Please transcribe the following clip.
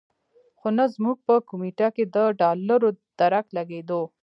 خو نه زموږ په کمېټه کې د ډالرو درک لګېدو.